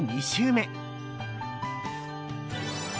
２週目。